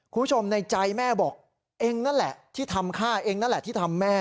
คุณผู้ชมในใจแม่บอกเองนั่นแหละที่ทำฆ่าเองนั่นแหละที่ทำแม่